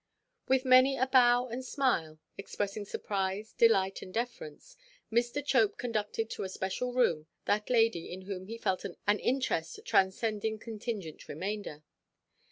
With many a bow and smile, expressing surprise, delight, and deference, Mr. Chope conducted to a special room that lady in whom he felt an interest transcending contingent remainder.